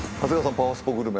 パワスポグルメ。